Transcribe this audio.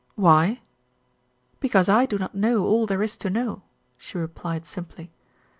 "Why?" "Because I do not know all there is to know," she replied simply.